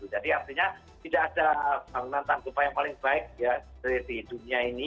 jadi artinya tidak ada bangunan tahan gempa yang paling baik ya di dunia ini